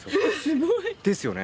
すごい。ですよね？